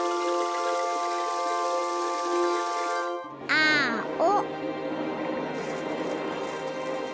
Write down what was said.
あお。